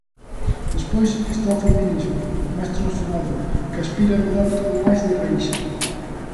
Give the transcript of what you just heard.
Despois está o feminismo máis transformador, que aspira a mudar todo máis de raíz.